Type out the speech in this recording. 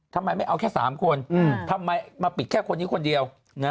ทำไมไม่เอาแค่๓คนทำไมมาปิดแค่คนนี้คนเดียว